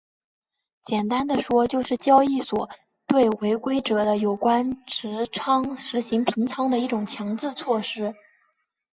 简单地说就是交易所对违规者的有关持仓实行平仓的一种强制措施。